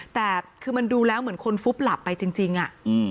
แต่คือมันดูแล้วเหมือนคนฟุบหลับไปจริง